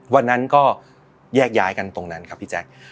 วันนั้นก็แยกย้ายกันตรงนั้นครับพี่แจ๊ค